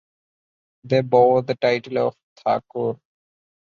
They bore the title of "Thakur".